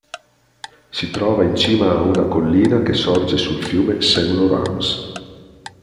Si trova in cima a una collina che sorge sul fiume Saint Lawrence.